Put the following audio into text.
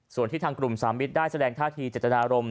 ส่วนที่ทางกลุ่ม๓มิศได้แสดงท่าธีจัจณโรม